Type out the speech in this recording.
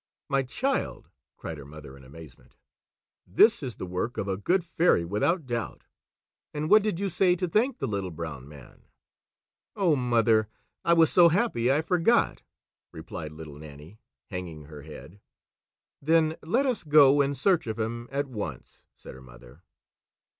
"My child!" cried her mother in amazement, "this is the work of a good fairy without doubt! And what did you say to thank the Little Brown Man?" "Oh, mother, I was so happy I forgot," replied Little Nannie, hanging her head. "Then let us go in search of him at once," said her mother.